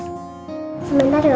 sebentar ya oma